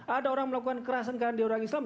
ada orang melakukan kerasan karena dia orang islam